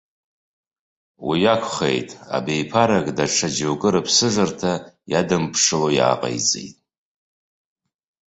Уи акәхеит, абиԥарак даҽа џьоукы рыԥсыжырҭа иадымԥшыло иааҟеиҵеит.